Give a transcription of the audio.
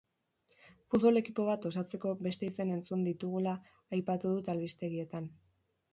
Futbol ekipo bat osatzeko beste izen entzun ditugula, aipatu dut albistegietan.